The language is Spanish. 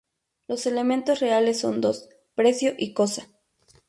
Los elementos reales son dos: precio y cosa.